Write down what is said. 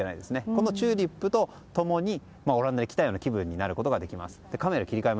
このチューリップと共にオランダに来たような気分になることができます。